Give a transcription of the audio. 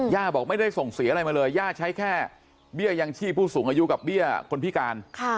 บอกไม่ได้ส่งเสียอะไรมาเลยย่าใช้แค่เบี้ยยังชีพผู้สูงอายุกับเบี้ยคนพิการ